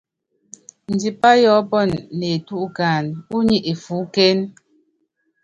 Ndipá yɔɔ́pɔnɔ neetú ukáánɛ́, únyi efuúkéne.